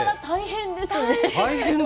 大変ですよ。